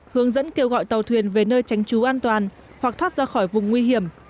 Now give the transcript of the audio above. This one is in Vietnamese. hướng dẫn kêu gọi tàu thuyền về nơi tránh trú an toàn hoặc thoát ra khỏi vùng nguy hiểm